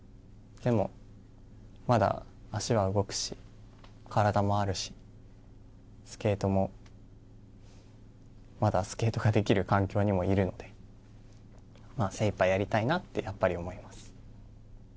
でもまだ脚は動くし体もあるしスケートもまだスケートができる環境にもいるので精いっぱいやりたいなってやっぱり思います。